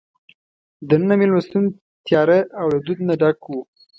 دننه مېلمستون تیاره او له دود نه ډک وو.